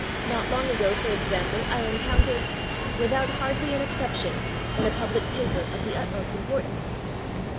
Not long ago, for example, I encountered "without /hardly/ an exception" in a public paper of the utmost importance.